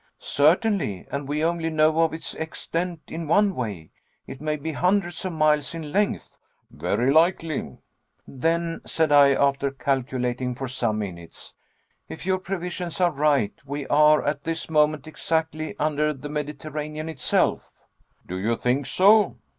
"Certainly, and we only know of its extent in one way. It may be hundreds of miles in length." "Very likely." "Then," said I, after calculating for some for some minutes, "if your previsions are right, we are at this moment exactly under the Mediterranean itself." "Do you think so?"